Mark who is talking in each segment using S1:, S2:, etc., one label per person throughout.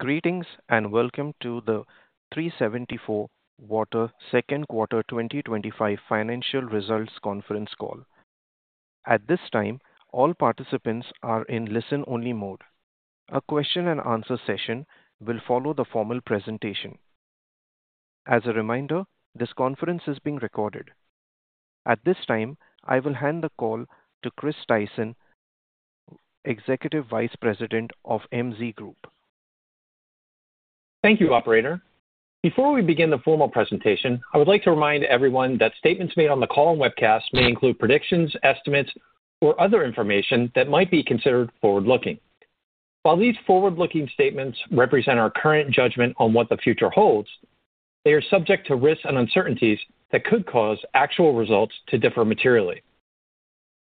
S1: Greetings and welcome to the 374Water Second Quarter 2025 Financial Results Conference Call. At this time, all participants are in listen-only mode. A question-and-answer session will follow the formal presentation. As a reminder, this conference is being recorded. At this time, I will hand the call to Chris Tyson, Executive Vice President of MZ Group.
S2: Thank you, Operator. Before we begin the formal presentation, I would like to remind everyone that statements made on the call and webcast may include predictions, estimates, or other information that might be considered forward-looking. While these forward-looking statements represent our current judgment on what the future holds, they are subject to risks and uncertainties that could cause actual results to differ materially.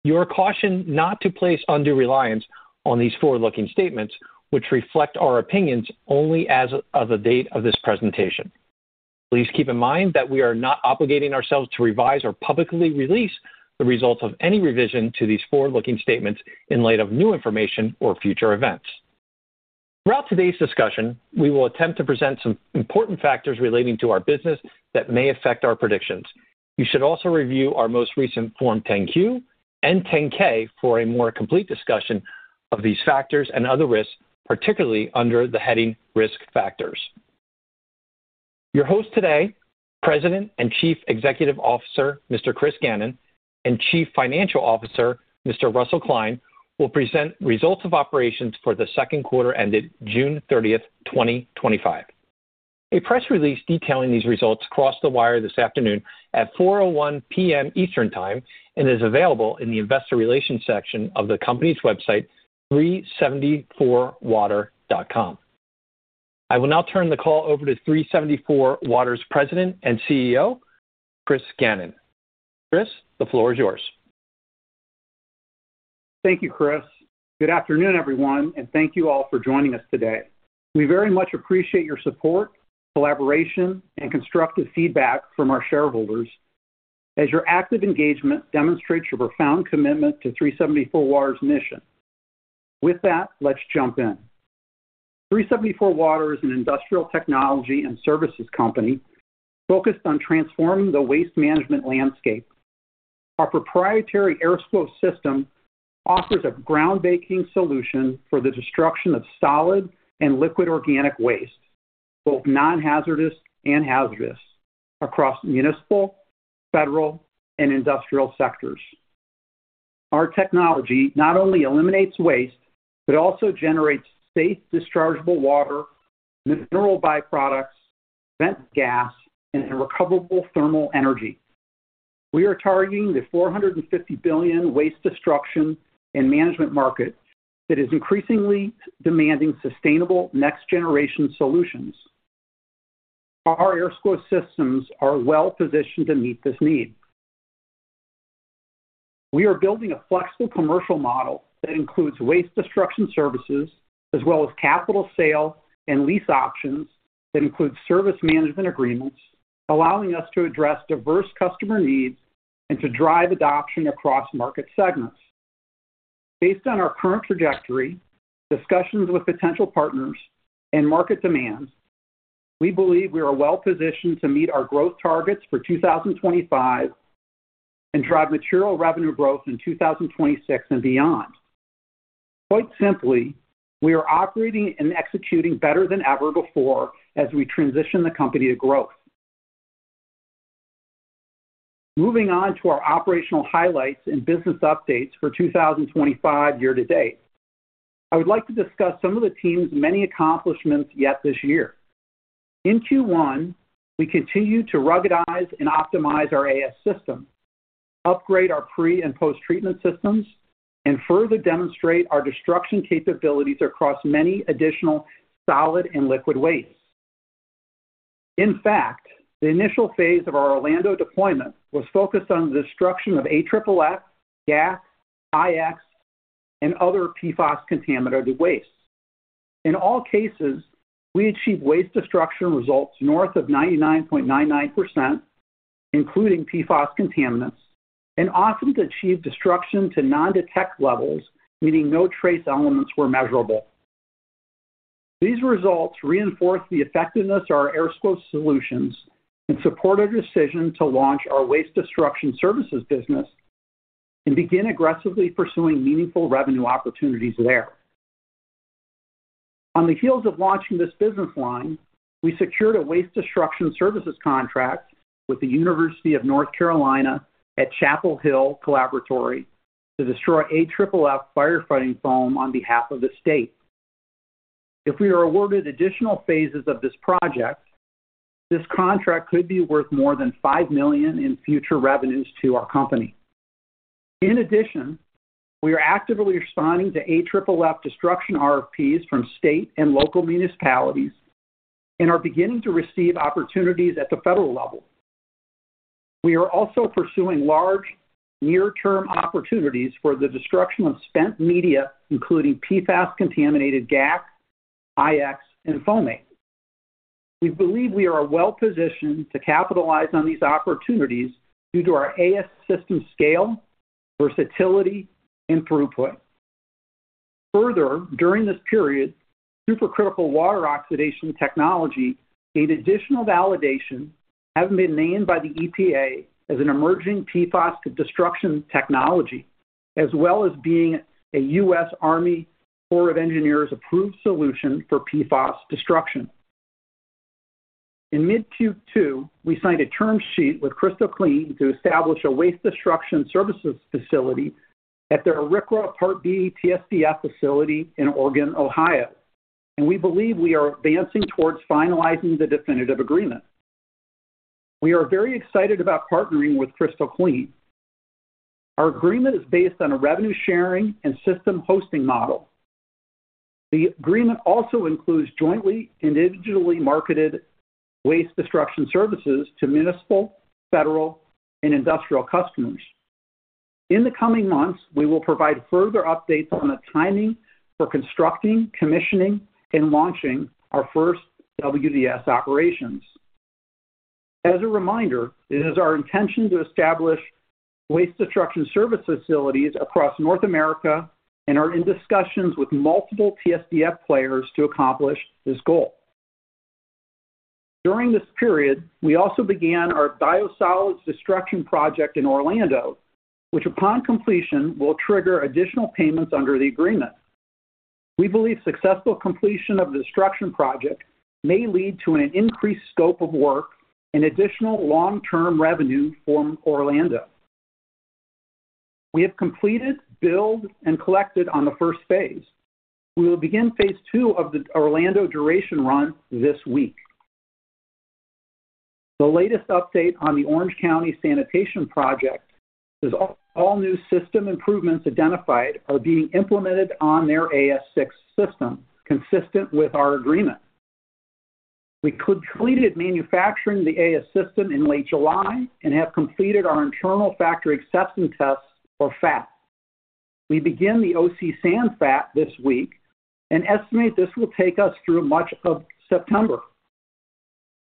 S2: You are cautioned not to place undue reliance on these forward-looking statements, which reflect our opinions only as of the date of this presentation. Please keep in mind that we are not obligating ourselves to revise or publicly release the results of any revision to these forward-looking statements in light of new information or future events. Throughout today's discussion, we will attempt to present some important factors relating to our business that may affect our predictions. You should also review our most recent Form 10-Q and 10-K for a more complete discussion of these factors and other risks, particularly under the heading Risk Factors. Your host today, President and Chief Executive Officer, Mr. Chris Gannon, and Chief Financial Officer, Mr. Russell Kline, will present results of operations for the second quarter ended June 30, 2025. A press release detailing these results crossed-the-wire this afternoon at 4:01 P.M. Eastern Time and is available in the Investor Relations section of the company's website, 374water.com. I will now turn the call over to 374Water's President and CEO, Chris Gannon. Chris, the floor is yours.
S3: Thank you, Chris. Good afternoon, everyone, and thank you all for joining us today. We very much appreciate your support, collaboration, and constructive feedback from our shareholders, as your active engagement demonstrates your profound commitment to 374Water's mission. With that, let's jump in. 374Water is an industrial technology and services company focused on transforming the waste management landscape. Our proprietary AirSCWO system offers a groundbreaking solution for the destruction of solid and liquid organic waste, both non-hazardous and hazardous, across municipal, federal, and industrial sectors. Our technology not only eliminates waste but also generates safe dischargeable water, mineral byproducts, vent gas, and recoverable thermal energy. We are targeting the $450 billion waste destruction and management market that is increasingly demanding sustainable next-generation solutions. Our AirSCWO systems are well positioned to meet this need. We are building a flexible commercial model that includes waste destruction services, as well as capital sale and lease options that include service management agreements, allowing us to address diverse customer needs and to drive adoption across market segments. Based on our current trajectory, discussions with potential partners, and market demand, we believe we are well positioned to meet our growth targets for 2025 and drive material revenue growth in 2026 and beyond. Quite simply, we are operating and executing better than ever before as we transition the company to growth. Moving on to our operational highlights and business updates for 2025 year-to-date, I would like to discuss some of the team's many accomplishments yet this year. In Q1, we continued to ruggedize and optimize our AS system, upgrade our pre- and post-treatment systems, and further demonstrate our destruction capabilities across many additional solid and liquid waste. In fact, the initial phase of our Orlando deployment was focused on the destruction of AFFF, GAC, IX, and other PFAS-contaminated waste. In all cases, we achieved waste destruction results north of 99.99%, including PFAS contaminants, and often achieved destruction to non-detect levels, meaning no trace elements were measurable. These results reinforce the effectiveness of our AirSCWO solutions and support our decision to launch our waste destruction services business and begin aggressively pursuing meaningful revenue opportunities there. On the heels of launching this business line, we secured a waste destruction services contract with the University of North Carolina at Chapel Hill Collaboratory to destroy AFFF firefighting foam on behalf of the state. If we are awarded additional phases of this project, this contract could be worth more than $5 million in future revenues to our company. In addition, we are actively responding to AFFF destruction RFPs from state and local municipalities and are beginning to receive opportunities at the federal level. We are also pursuing large near-term opportunities for the destruction of spent media, including PFAS-contaminated gas, IX, and foamate. We believe we are well-positioned to capitalize on these opportunities due to our AS system scale, versatility, and throughput. Further, during this period, supercritical water oxidation technology gained additional validation, having been named by the EPA as an emerging PFAS destruction technology, as well as being a U.S. Army of Engineers-approved solution for PFAS destruction. In mid-Q2, we signed a term sheet with Crystal Clean to establish a waste destruction services facility at their RCRA Part B TSDF facility in Oregon, Ohio, and we believe we are advancing towards finalizing the definitive agreement. We are very excited about partnering with Crystal Clean. Our agreement is based on a revenue-sharing and system hosting model. The agreement also includes jointly and digitally marketed waste destruction services to municipal, federal, and industrial customers. In the coming months, we will provide further updates on the timing for constructing, commissioning, and launching our first WDS operations. As a reminder, it is our intention to establish waste destruction service facilities across North America and are in discussions with multiple TSDF players to accomplish this goal. During this period, we also began our biosolids destruction project in Orlando, which upon completion will trigger additional payments under the agreement. We believe successful completion of the destruction project may lead to an increased scope of work and additional long-term revenue for Orlando. We have completed, billed, and collected on the first phase. We will begin phase two of the Orlando duration run this week. The latest update on the Orange County Sanitation project is all new system improvements identified are being implemented on their AS6 system consistent with our agreement. We completed manufacturing the AS system in late July and have completed our internal factory acceptance tests, or FAT. We begin the OC San FAT this week and estimate this will take us through much of September.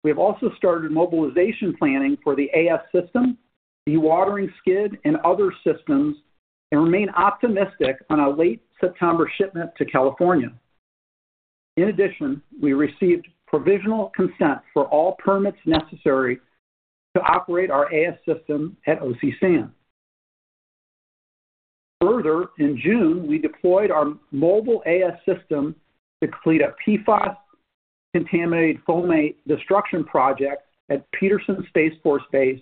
S3: We have also started mobilization planning for the AS system, dewatering skid, and other systems and remain optimistic on a late September shipment to California. In addition, we received provisional consent for all permits necessary to operate our AS system at the OC San. Further, in June, we deployed our mobile AS system to complete a PFAS-contaminated foamate destruction project at Peterson Space Force Base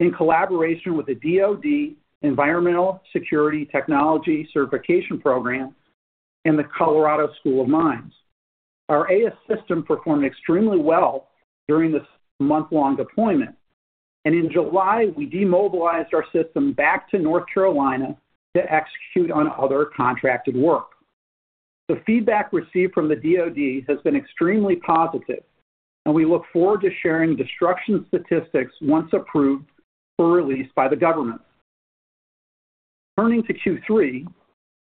S3: in collaboration with the DOD Environmental Security Technology Certification Program and the Colorado School of Mines. Our AS system performed extremely well during this month-long deployment, and in July, we demobilized our system back to North Carolina to execute on other contracted work. The feedback received from the DOD has been extremely positive, and we look forward to sharing destruction statistics once approved for release by the government. Turning to Q3,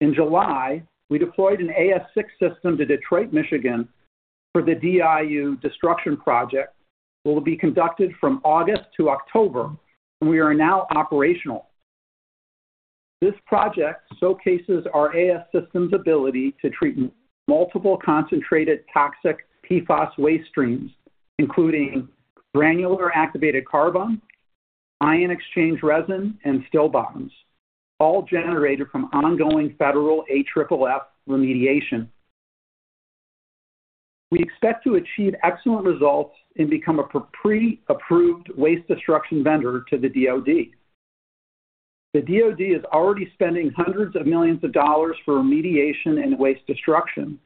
S3: in July, we deployed an AS6 system to Detroit, Michigan for the DIU destruction project, which will be conducted from August to October, and we are now operational. This project showcases our AS system's ability to treat multiple concentrated toxic PFAS waste streams, including granular activated carbon, ion-exchange resin, and still bottoms, all generated from ongoing federal AFFF remediation. We expect to achieve excellent results and become a pre-approved waste destruction vendor to the DOD. The DOD is already spending hundreds of millions of dollars for remediation and waste destruction.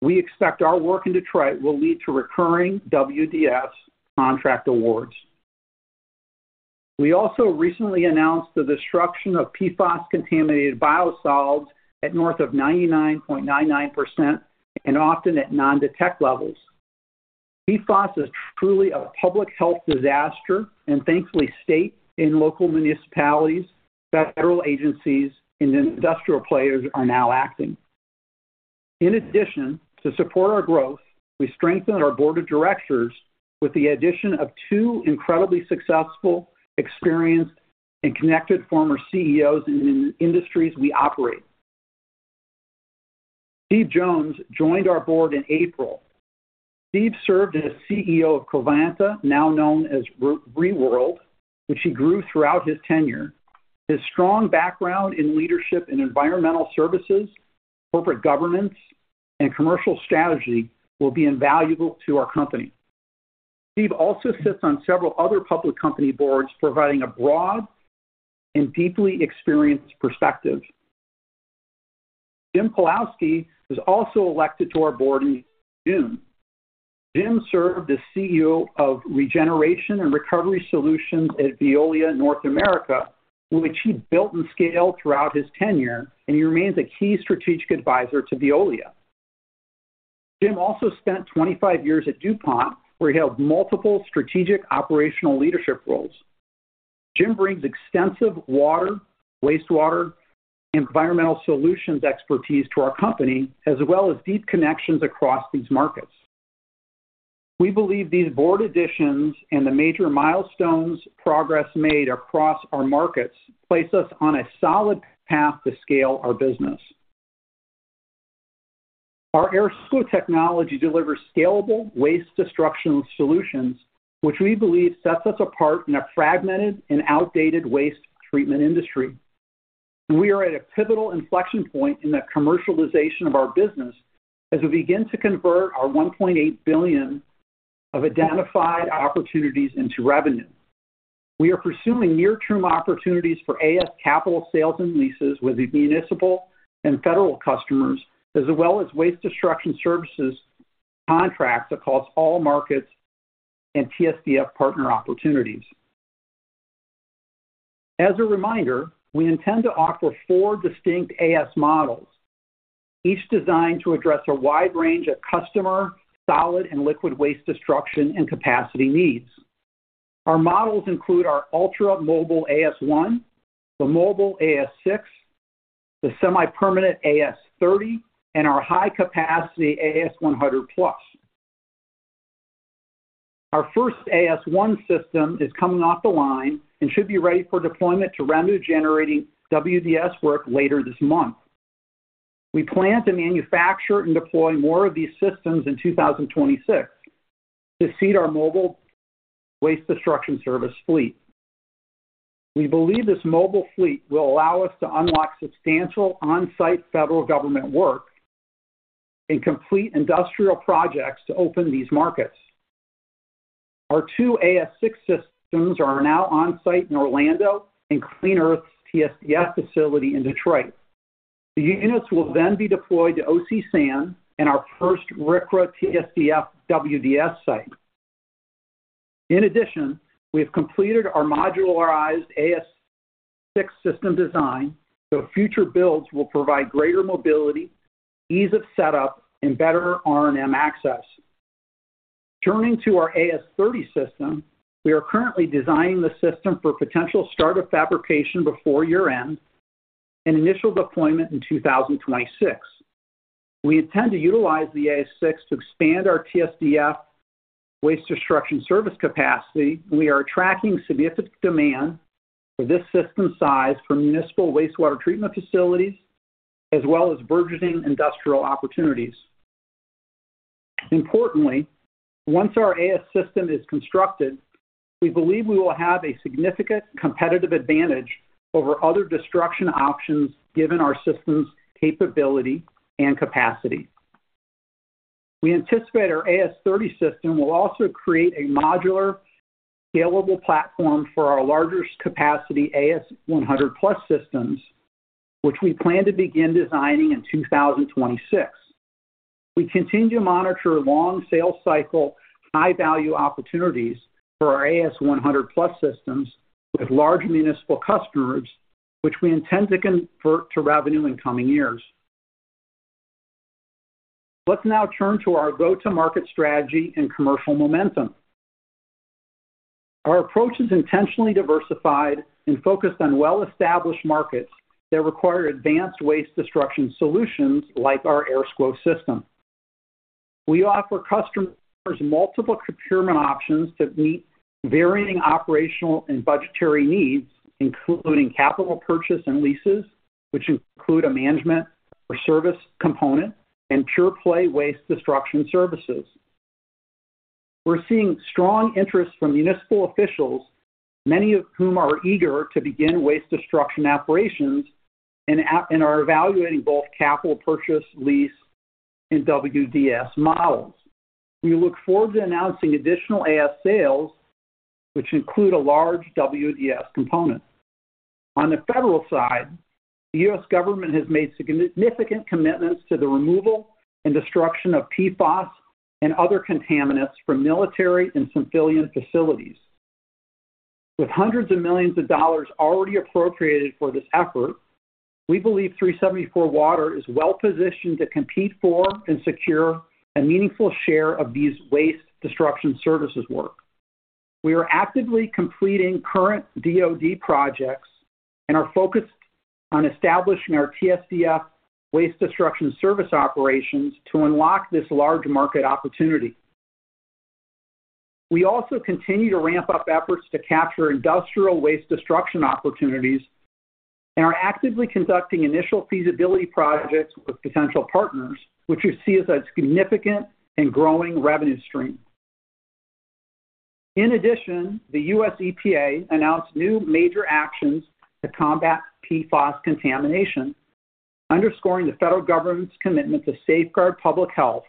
S3: We expect our work in Detroit will lead to recurring waste destruction services contract awards. We also recently announced the destruction of PFAS-contaminated biosolids at north of 99.99% and often at non-detect levels. PFAS is truly a public health disaster, and thankfully, state and local municipalities, federal agencies, and industrial players are now acting. In addition, to support our growth, we strengthened our Board of Directors with the addition of two incredibly successful, experienced, and connected former CEOs in the industries we operate. Steve Jones joined our board in April. Steve served as CEO of Covanta, now known as Reworld, which he grew throughout his tenure. His strong background in leadership and environmental services, corporate governance, and commercial strategy will be invaluable to our company. Steve also sits on several other public company boards, providing a broad and deeply experienced perspective. Jim Polaski was also elected to our board in June. Jim served as CEO of Regeneration and Recovery Solutions at Veolia North America, which he built and scaled throughout his tenure, and he remains a key strategic advisor to Veolia. Jim also spent 25 years at DuPont, where he held multiple strategic operational leadership roles. Jim brings extensive water, wastewater, and environmental solutions expertise to our company, as well as deep connections across these markets. We believe these board additions and the major milestones progress made across our markets place us on a solid path to scale our business. Our AirSCWO technology delivers scalable waste destruction solutions, which we believe sets us apart in a fragmented and outdated waste treatment industry. We are at a pivotal inflection point in the commercialization of our business as we begin to convert our $1.8 billion of identified opportunities into revenue. We are pursuing near-term opportunities for AS capital sales and leases with municipal and federal customers, as well as waste destruction services contracts across all markets and TSDF partner opportunities. As a reminder, we intend to offer four distinct AS models, each designed to address a wide range of customer solid and liquid waste destruction and capacity needs. Our models include our ultra-mobile AS1, the mobile AS6, the semi-permanent AS30, and our high-capacity AS100+. Our first AS1 system is coming off the line and should be ready for deployment to revenue-generating waste destruction services work later this month. We plan to manufacture and deploy more of these systems in 2026 to feed our mobile waste destruction service fleet. We believe this mobile fleet will allow us to unlock substantial on-site federal government work and complete industrial projects to open these markets. Our two AS6 systems are now on-site in Orlando and Clean Earth TSDF facility in Detroit. The units will then be deployed to Orange County Sanitation District and our first RCRA TSDF waste destruction services site. In addition, we have completed our modularized AS6 system design, so future builds will provide greater mobility, ease of setup, and better R&M access. Turning to our AS30 system, we are currently designing the system for potential start-up fabrication before year-end and initial deployment in 2026. We intend to utilize the AS6 to expand our TSDF waste destruction service capacity, and we are tracking significant demand for this system size for municipal wastewater treatment facilities, as well as burgeoning industrial opportunities. Importantly, once our AS system is constructed, we believe we will have a significant competitive advantage over other destruction options given our system's capability and capacity. We anticipate our AS30 system will also create a modular, scalable platform for our larger capacity AS100+ systems, which we plan to begin designing in 2026. We continue to monitor long sales cycle, high-value opportunities for our AS100+ systems with large municipal customers, which we intend to convert to revenue in coming years. Let's now turn to our go-to-market strategy and commercial momentum. Our approach is intentionally diversified and focused on well-established markets that require advanced waste destruction solutions like our AirSCWO system. We offer customers multiple procurement options to meet varying operational and budgetary needs, including capital purchase and leases, which include a management or service component, and pure-play waste destruction services. We're seeing strong interest from municipal officials, many of whom are eager to begin waste destruction operations and are evaluating both capital purchase, lease, and WDS models. We look forward to announcing additional AS sales, which include a large WDS component. On the federal side, the U.S. government has made significant commitments to the removal and destruction of PFAS and other contaminants from military and civilian facilities. With hundreds of millions of dollars already appropriated for this effort, we believe 374Water is well positioned to compete for and secure a meaningful share of these waste destruction services work. We are actively completing current DOD projects and are focused on establishing our TSDF waste destruction service operations to unlock this large market opportunity. We also continue to ramp up efforts to capture industrial waste destruction opportunities and are actively conducting initial feasibility projects with potential partners, which we see as a significant and growing revenue stream. In addition, the U.S. EPA announced new major actions to combat PFAS contamination, underscoring the federal government's commitment to safeguard public health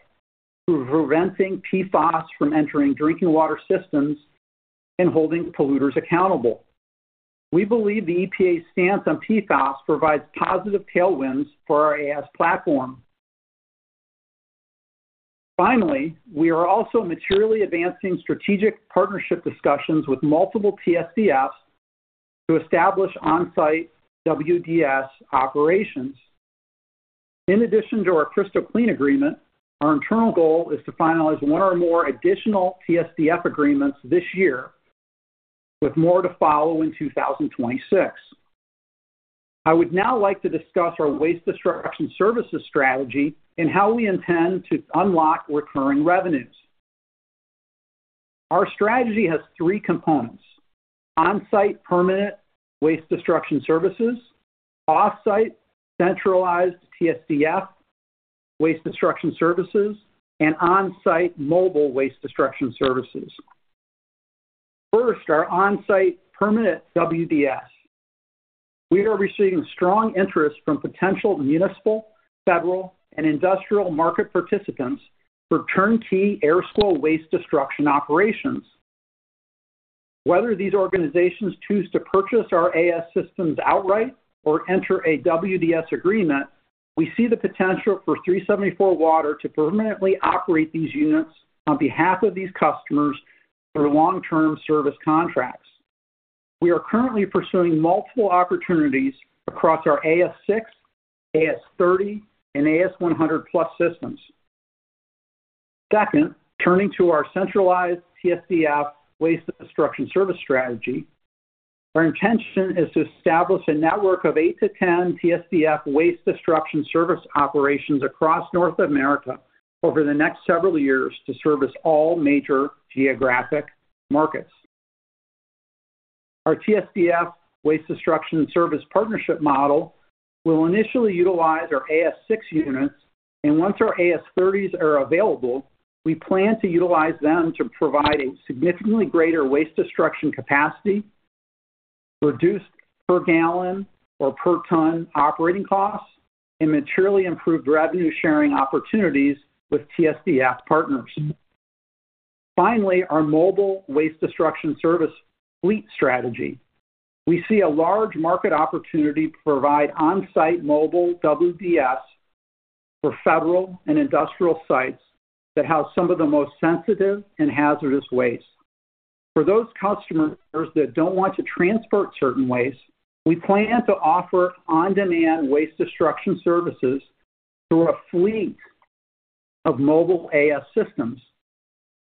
S3: through preventing PFAS from entering drinking water systems and holding polluters accountable. We believe the EPA's stance on PFAS provides positive tailwinds for our AS platform. Finally, we are also materially advancing strategic partnership discussions with multiple TSDFs to establish on-site WDS operations. In addition to our Crystal Clean Agreement, our internal goal is to finalize one or more additional TSDF agreements this year, with more to follow in 2026. I would now like to discuss our waste destruction services strategy and how we intend to unlock recurring revenues. Our strategy has three components: on-site permanent waste destruction services, off-site centralized TSDF waste destruction services, and on-site mobile waste destruction services. First, our on-site permanent WDS. We are receiving strong interest from potential municipal, federal, and industrial market participants for turnkey airflow waste destruction operations. Whether these organizations choose to purchase our AS systems outright or enter a WDS agreement, we see the potential for 374Water to permanently operate these units on behalf of these customers for long-term service contracts. We are currently pursuing multiple opportunities across our AS6, AS30, and AS100+ systems. Second, turning to our centralized TSDF waste destruction service strategy, our intention is to establish a network of eight to 10 TSDF waste destruction service operations across North America over the next several years to service all major geographic markets. Our TSDF waste destruction service partnership model will initially utilize our AS6 units, and once our AS30s are available, we plan to utilize them to provide a significantly greater waste destruction capacity, reduced per gallon or per ton operating costs, and materially improved revenue-sharing opportunities with TSDF partners. Finally, our mobile waste destruction service fleet strategy. We see a large market opportunity to provide on-site mobile WDS for federal and industrial sites that have some of the most sensitive and hazardous waste. For those customers that don't want to transport certain waste, we plan to offer on-demand waste destruction services through a fleet of mobile AS systems.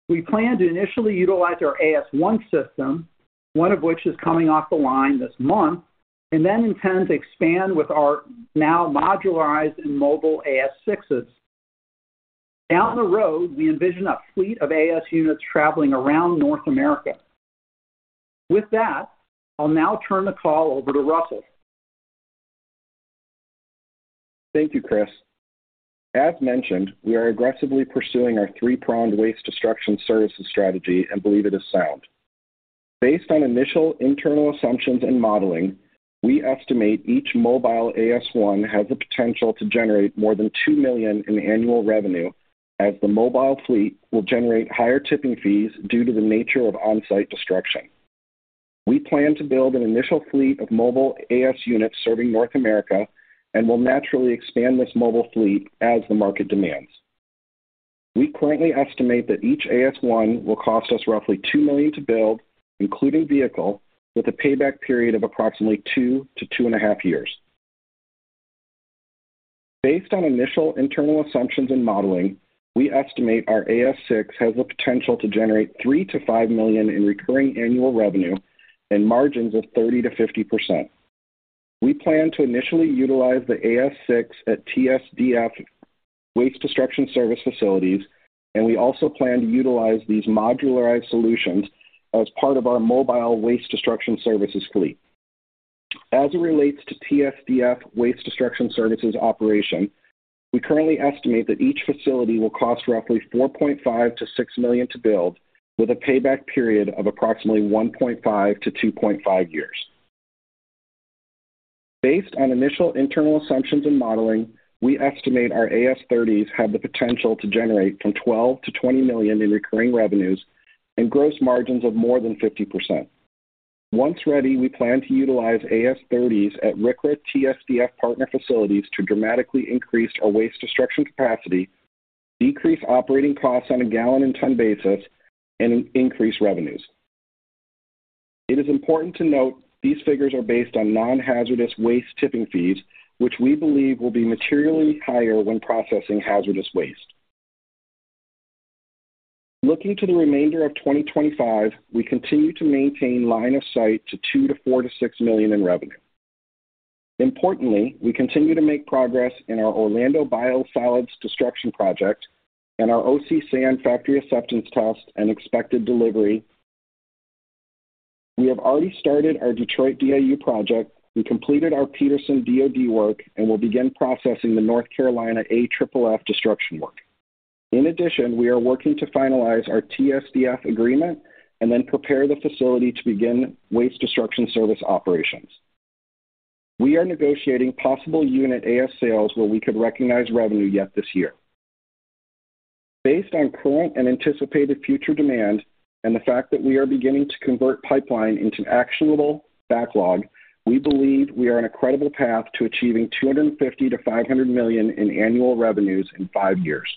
S3: We plan to initially utilize our AS1 system, one of which is coming off the line this month, and then intend to expand with our now modularized and mobile AS6s. Down the road, we envision a fleet of AS units traveling around North America. With that, I'll now turn the call over to Russell.
S4: Thank you, Chris. As mentioned, we are aggressively pursuing our three-pronged waste destruction services strategy and believe it is sound. Based on initial internal assumptions and modeling, we estimate each mobile AS1 has the potential to generate more than $2 million in annual revenue, as the mobile fleet will generate higher tipping fees due to the nature of on-site destruction. We plan to build an initial fleet of mobile AS units serving North America and will naturally expand this mobile fleet as the market demands. We currently estimate that each AS1 will cost us roughly $2 million to build, including vehicle, with a payback period of approximately two to two and a half years. Based on initial internal assumptions and modeling, we estimate our AS6 has the potential to generate $3 million-$5 million in recurring annual revenue and margins of 30%50%. We plan to initially utilize the AS6 at TSDF waste destruction service facilities, and we also plan to utilize these modularized solutions as part of our mobile waste destruction services fleet. As it relates to TSDF waste destruction services operation, we currently estimate that each facility will cost roughly $4.5 million-$6 million to build, with a payback period of approximately 1.5 years-2.5 years. Based on initial internal assumptions and modeling, we estimate our AS30s have the potential to generate from $12 million-$20 million in recurring revenues and gross margins of more than 50%. Once ready, we plan to utilize AS30s at RCRA TSDF partner facilities to dramatically increase our waste destruction capacity, decrease operating costs on a gallon and ton basis, and increase revenues. It is important to note these figures are based on non-hazardous waste tipping fees, which we believe will be materially higher when processing hazardous waste. Looking to the remainder of 2025, we continue to maintain line of sight to $2 to $4 to $6 million in revenue. Importantly, we continue to make progress in our Orlando biosolids destruction project and our OC San factory acceptance test and expected delivery. We have already started our Detroit DIU project. We completed our Peterson DOD work and will begin processing the North Carolina AFFF destruction work. In addition, we are working to finalize our TSDF agreement and then prepare the facility to begin waste destruction service operations. We are negotiating possible unit AS sales where we could recognize revenue yet this year. Based on current and anticipated future demand and the fact that we are beginning to convert pipeline into actionable backlog, we believe we are on a credible path to achieving $250 million-$500 million in annual revenues in five years.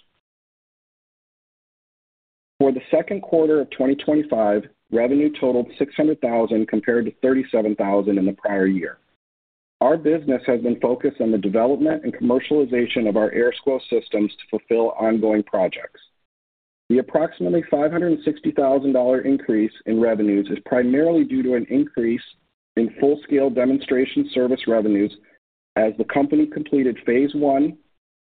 S4: For the second quarter of 2025, revenue totaled $600,000 compared to $37,000 in the prior year. Our business has been focused on the development and commercialization of our AirSCWO systems to fulfill ongoing projects. The approximately $560,000 increase in revenues is primarily due to an increase in full-scale demonstration service revenues as the company completed phase one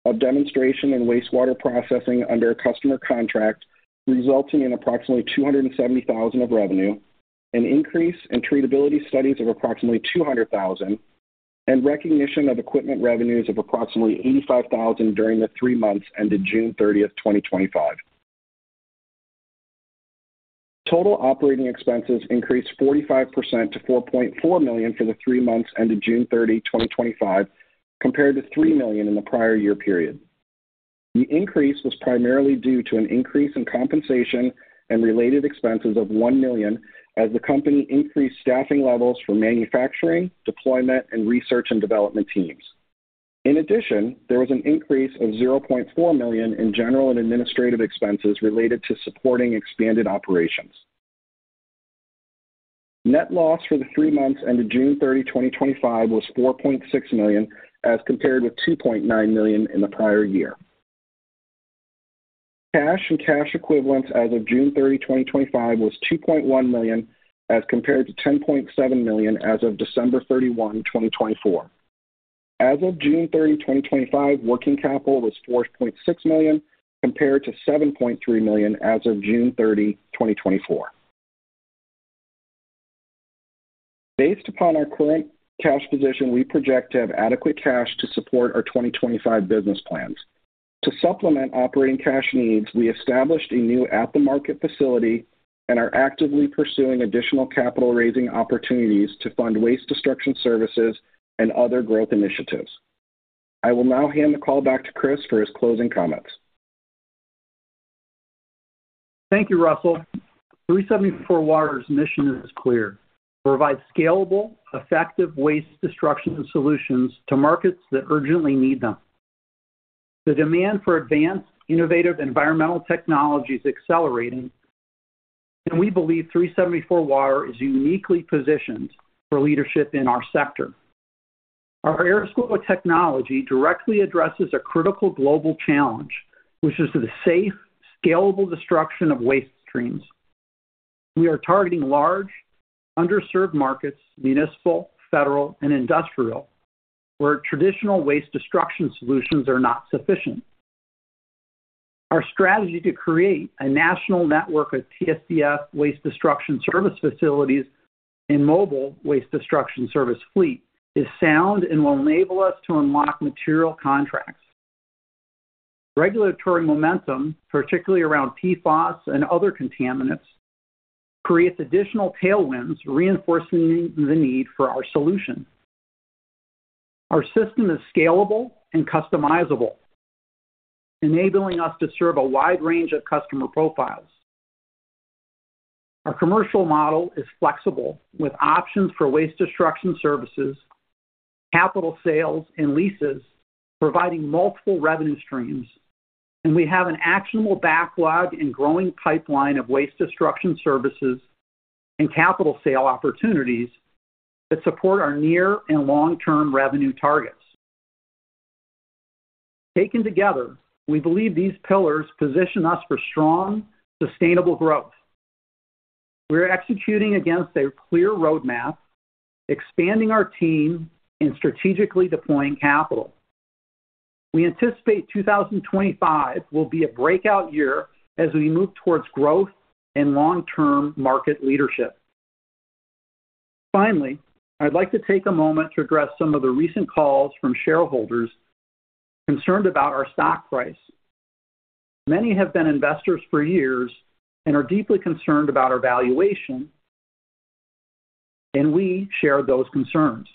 S4: of demonstration and wastewater processing under a customer contract, resulting in approximately $270,000 of revenue, an increase in treatability studies of approximately $200,000, and recognition of equipment revenues of approximately $85,000 during the three months ended June 30th, 2025. Total operating expenses increased 45% to $4.4 million for the three months ended June 30, 2025, compared to $3 million in the prior year period. The increase was primarily due to an increase in compensation and related expenses of $1 million as the company increased staffing levels for manufacturing, deployment, and research and development teams. In addition, there was an increase of $0.4 million in general and administrative expenses related to supporting expanded operations. Net loss for the three months ended June 30, 2025 was $4.6 million as compared with $2.9 million in the prior year. Cash and cash equivalents as of June 30, 2025 was $2.1 million as compared to $10.7 million as of December 31, 2024. As of June 30, 2025, working capital was $4.6 million compared to $7.3 million as of June 30, 2024. Based upon our current cash position, we project to have adequate cash to support our 2025 business plans. To supplement operating cash needs, we established a new at-the-market facility and are actively pursuing additional capital-raising opportunities to fund waste destruction services and other growth initiatives. I will now hand the call back to Chris for his closing comments.
S3: Thank you, Russell. 374Water's mission is clear: to provide scalable, effective waste destruction solutions to markets that urgently need them. The demand for advanced, innovative environmental technology is accelerating, and we believe 374Water is uniquely positioned for leadership in our sector. Our airflow technology directly addresses a critical global challenge, which is the safe, scalable destruction of waste streams. We are targeting large, underserved markets, municipal, federal, and industrial, where traditional waste destruction solutions are not sufficient. Our strategy to create a national network of TSDF waste destruction service facilities and mobile waste destruction service fleet is sound and will enable us to unlock material contracts. Regulatory momentum, particularly around PFAS and other contaminants, creates additional tailwinds, reinforcing the need for our solution. Our system is scalable and customizable, enabling us to serve a wide range of customer profiles. Our commercial model is flexible, with options for waste destruction services, capital sales, and leases providing multiple revenue streams, and we have an actionable backlog and growing pipeline of waste destruction services and capital sale opportunities that support our near and long-term revenue targets. Taken together, we believe these pillars position us for strong, sustainable growth. We are executing against a clear roadmap, expanding our team, and strategically deploying capital. We anticipate 2025 will be a breakout year as we move towards growth and long-term market leadership. Finally, I'd like to take a moment to address some of the recent calls from shareholders concerned about our stock price. Many have been investors for years and are deeply concerned about our valuation, and we share those concerns.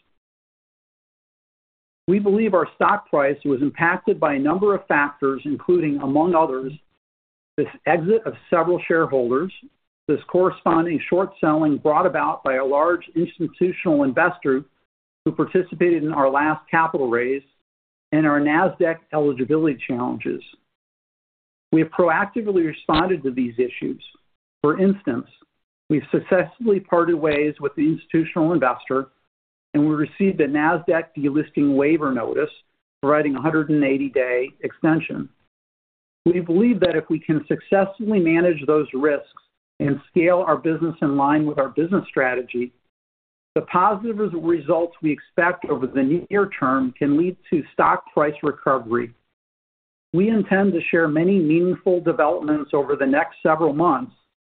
S3: We believe our stock price was impacted by a number of factors, including, among others, the exit of several shareholders, the corresponding short selling brought about by a large institutional investor who participated in our last capital raise, and our Nasdaq eligibility challenges. We have proactively responded to these issues. For instance, we've successfully parted ways with the institutional investor, and we received a Nasdaq delisting waiver notice, providing a 180-day extension. We believe that if we can successfully manage those risks and scale our business in line with our business strategy, the positive results we expect over the near term can lead to stock price recovery. We intend to share many meaningful developments over the next several months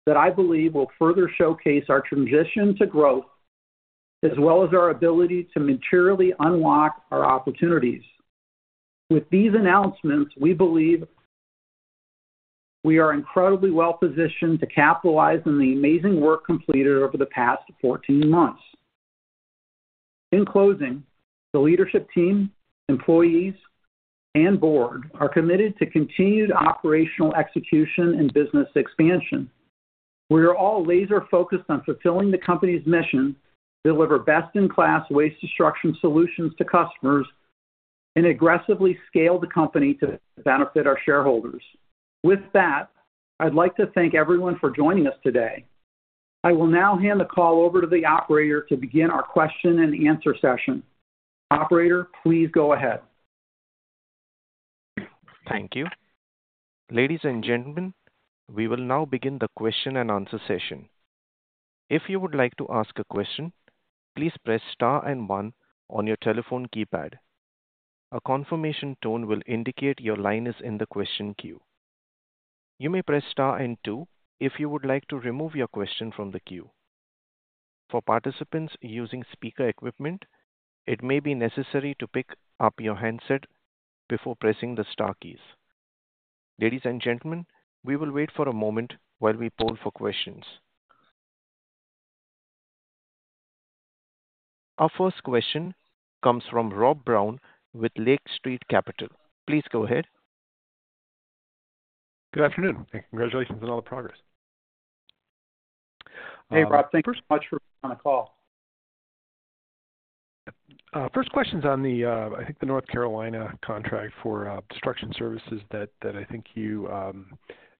S3: that I believe will further showcase our transition to growth, as well as our ability to materially unlock our opportunities. With these announcements, we believe we are incredibly well positioned to capitalize on the amazing work completed over the past 14 months. In closing, the leadership team, employees, and board are committed to continued operational execution and business expansion. We are all laser-focused on fulfilling the company's mission to deliver best-in-class waste destruction solutions to customers and aggressively scale the company to benefit our shareholders. With that, I'd like to thank everyone for joining us today. I will now hand the call over to the operator to begin our question and answer session. Operator, please go ahead.
S1: Thank you. Ladies and gentlemen, we will now begin the question and answer session. If you would like to ask a question, please press star and one on your telephone keypad. A confirmation tone will indicate your line is in the question queue. You may press star and two if you would like to remove your question from the queue. For participants using speaker equipment, it may be necessary to pick up your handset before pressing the star keys. Ladies and gentlemen, we will wait for a moment while we poll for questions. Our first question comes from Rob Brown with Lake Street Capital. Please go ahead.
S5: Good afternoon and congratulations on all the progress.
S3: Hey, Rob, thank you so much for coming on the call.
S5: First question is on the, I think, the North Carolina contract for destruction services that I think you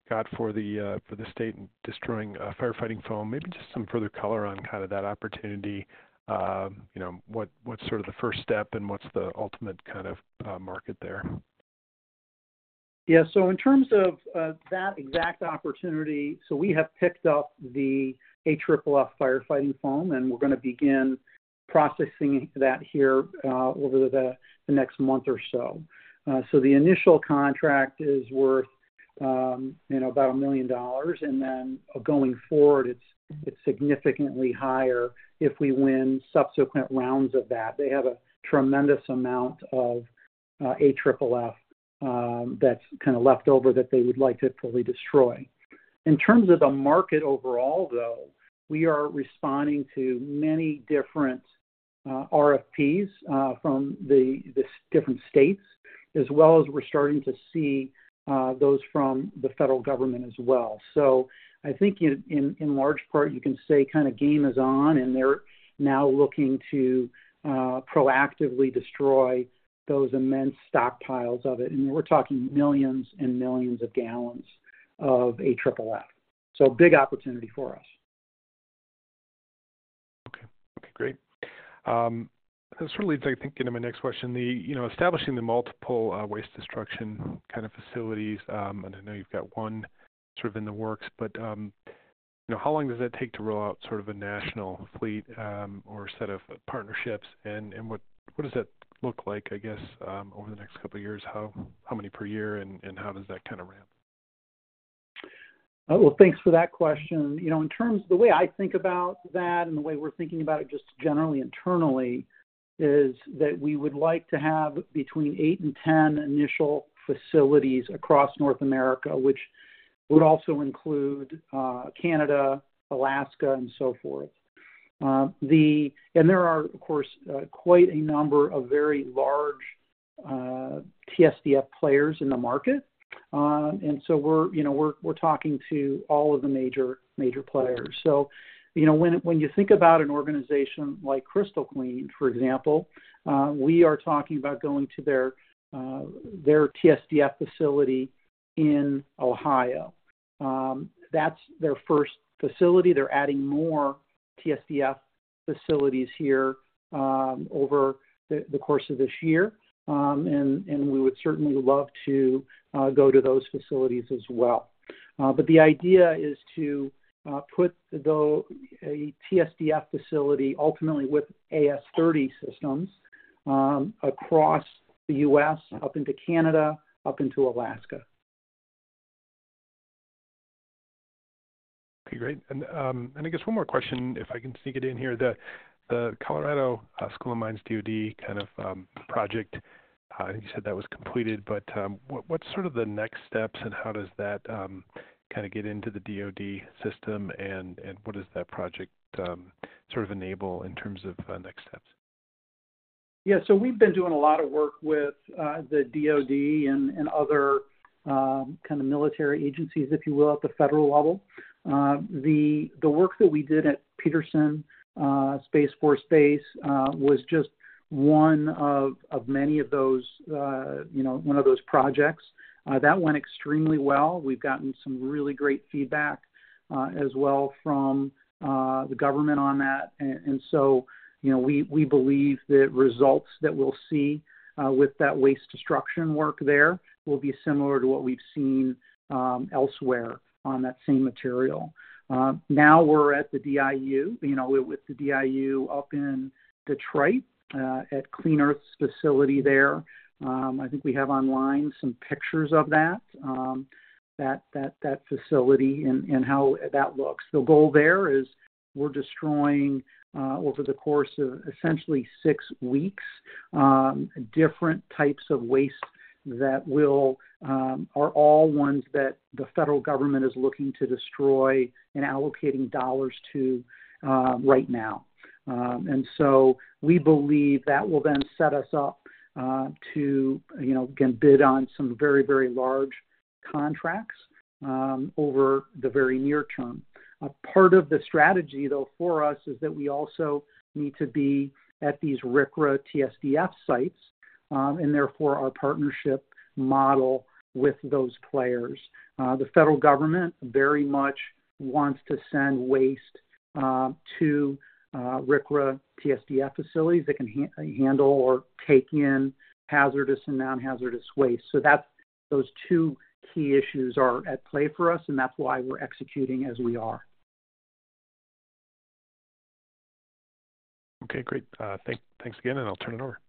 S5: got for the state in destroying firefighting foam. Maybe just some further color on kind of that opportunity. You know, what's sort of the first step and what's the ultimate kind of market there?
S3: Yeah, in terms of that exact opportunity, we have picked up the AFFF firefighting foam, and we're going to begin processing that here over the next month or so. The initial contract is worth about $1 million, and then going forward, it's significantly higher if we win subsequent rounds of that. They have a tremendous amount of AFFF that's left over that they would like to fully destroy. In terms of the market overall, we are responding to many different RFPs from the different states, as well as we're starting to see those from the federal government as well. I think in large part you can say game is on, and they're now looking to proactively destroy those immense stockpiles of it. We're talking millions and millions of gallons of AFFF. Big opportunity for us.
S5: Okay, great. This sort of leads into my next question. You know, establishing the multiple waste destruction kind of facilities, and I know you've got one sort of in the works, but you know, how long does that take to roll out sort of a national fleet or a set of partnerships? What does that look like over the next couple of years? How many per year, and how does that kind of ramp?
S3: Thank you for that question. In terms of the way I think about that and the way we're thinking about it just generally internally is that we would like to have between eight and ten initial facilities across North America, which would also include Canada, Alaska, and so forth. There are, of course, quite a number of very large TSDF players in the market. We're talking to all of the major, major players. When you think about an organization like Crystal Clean, for example, we are talking about going to their TSDF facility in Ohio. That's their first facility. They're adding more TSDF facilities here over the course of this year. We would certainly love to go to those facilities as well. The idea is to put a TSDF facility ultimately with AS30 systems across the U.S., up into Canada, up into Alaska.
S5: Okay, great. I guess one more question, if I can sneak it in here. The Colorado School of Mines DOD kind of project, I think you said that was completed, but what's sort of the next steps and how does that kind of get into the DOD system, and what does that project sort of enable in terms of next steps?
S3: Yeah, so we've been doing a lot of work with the DOD and other kind of military agencies, if you will, at the federal level. The work that we did at Peterson Space Force Base was just one of many of those projects. That went extremely well. We've gotten some really great feedback as well from the government on that. We believe the results that we'll see with that waste destruction work there will be similar to what we've seen elsewhere on that same material. Now we're at the DIU, you know, with the DIU up in Detroit at Clean Earth's facility there. I think we have online some pictures of that facility and how that looks. The goal there is we're destroying over the course of essentially six weeks different types of waste that are all ones that the federal government is looking to destroy and allocating dollars to right now. We believe that will then set us up to, you know, again, bid on some very, very large contracts over the very near term. A part of the strategy, though, for us is that we also need to be at these RCRA TSDF sites and therefore our partnership model with those players. The federal government very much wants to send waste to RCRA TSDF facilities that can handle or take in hazardous and non-hazardous waste. Those two key issues are at play for us, and that's why we're executing as we are.
S5: Okay, great. Thanks again, and I'll turn it over.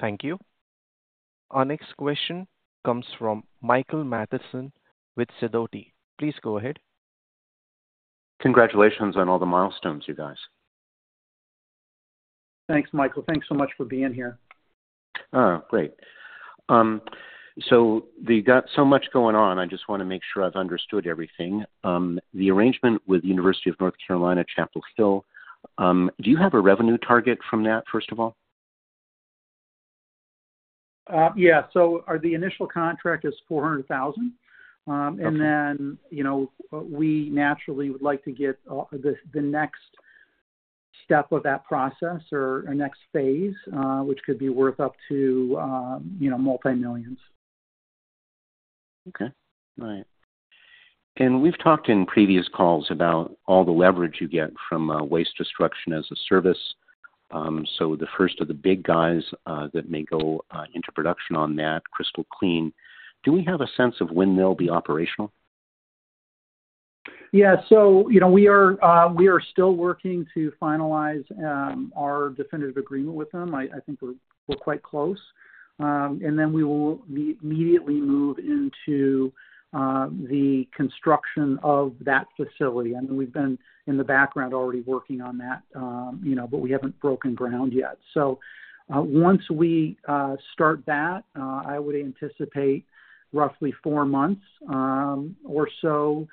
S1: Thank you. Our next question comes from Michael Matheson with Sidoti. Please go ahead.
S6: Congratulations on all the milestones, you guys.
S3: Thanks, Michael. Thanks so much for being here.
S6: Great. You've got so much going on, I just want to make sure I've understood everything. The arrangement with the University of North Carolina at Chapel Hill, do you have a revenue target from that, first of all?
S3: Yeah, so the initial contract is $400,000. We naturally would like to get the next step of that process or next phase, which could be worth up to, you know, multi-millions.
S6: Okay. All right. We've talked in previous calls about all the leverage you get from waste destruction as a service. The first of the big guys that may go into production on that, Crystal Clean, do we have a sense of when they'll be operational?
S3: Yeah, we are still working to finalize our definitive agreement with them. I think we're quite close, and then we will immediately move into the construction of that facility. We've been in the background already working on that, but we haven't broken ground yet. Once we start that, I would anticipate roughly four months or so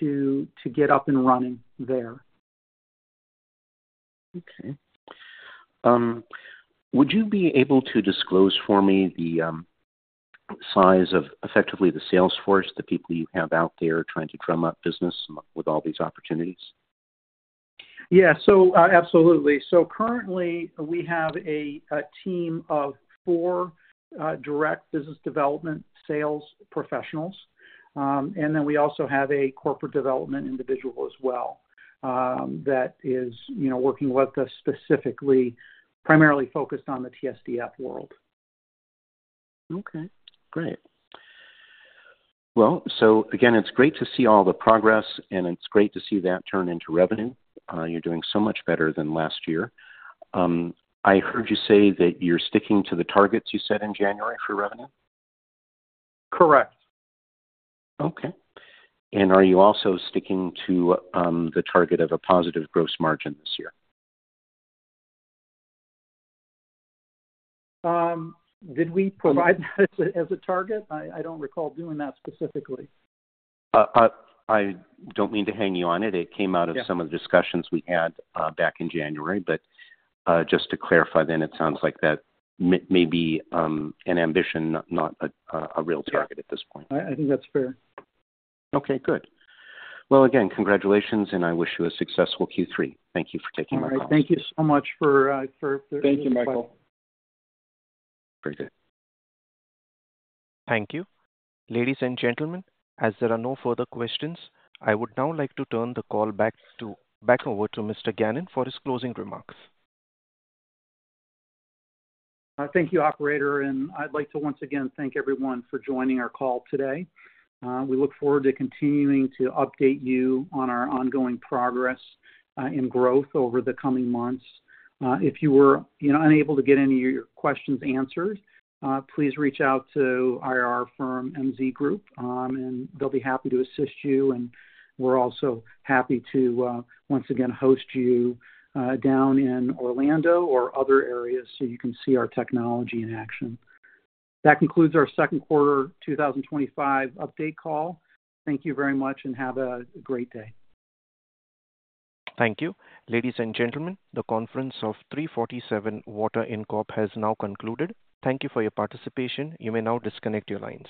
S3: to get up and running there.
S6: Okay. Would you be able to disclose for me the size of effectively the sales force, the people you have out there trying to drum up business with all these opportunities?
S3: Absolutely. Currently, we have a team of four direct Business Development Sales professionals. We also have a Corporate Development individual as well that is working with us specifically, primarily focused on the TSDF world.
S6: Okay, great. It's great to see all the progress, and it's great to see that turn into revenue. You're doing so much better than last year. I heard you say that you're sticking to the targets you set in January for revenue?
S3: Correct.
S6: Okay. Are you also sticking to the target of a positive gross margin this year?
S3: Did we provide that as a target? I don't recall doing that specifically.
S6: I don't mean to hang you on it. It came out of some of the discussions we had back in January. Just to clarify then, it sounds like that may be an ambition, not a real target at this point.
S3: I think that's fair.
S6: Okay, good. Again, congratulations, and I wish you a successful Q3. Thank you for taking my call.
S3: All right, thank you so much for your time.
S4: Thank you, Michael.
S6: Very good.
S1: Thank you. Ladies and gentlemen, as there are no further questions, I would now like to turn the call back over to Mr. Gannon for his closing remarks.
S3: Thank you, Operator, and I'd like to once again thank everyone for joining our call today. We look forward to continuing to update you on our ongoing progress in growth over the coming months. If you were unable to get any of your questions answered, please reach out to our firm, MZ Group, and they'll be happy to assist you. We're also happy to once again host you down in Orlando or other areas so you can see our technology in action. That concludes our second quarter 2025 update call. Thank you very much and have a great day.
S1: Thank you. Ladies and gentlemen, the conference of 374Water has now concluded. Thank you for your participation. You may now disconnect your lines.